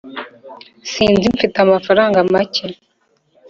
sinzi mfite amafaranga macye.